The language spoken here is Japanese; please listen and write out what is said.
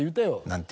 何て？